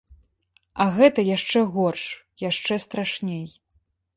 А гэта яшчэ горш, яшчэ страшней.